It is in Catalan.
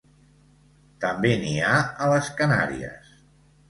També n'hi ha a les Canàries.